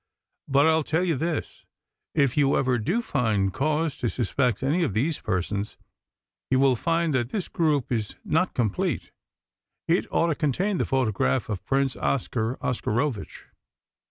But I'll tell you this: if you ever do find cause to suspect any of these persons, you will find that this group is not complete. It ought to contain the photograph of Prince Oscar Oscarovitch."